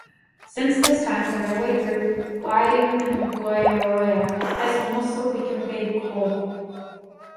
Since this time, the railway through Waimangaroa has almost solely conveyed coal.